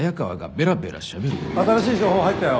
新しい情報入ったよ。